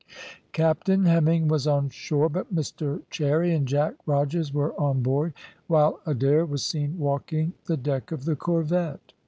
Captain Hemming was on shore, but Mr Cherry and Jack Rogers were on board, while Adair was seen walking the deck of the corvette.